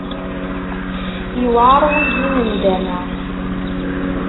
Yewɛer wuzu n nndama.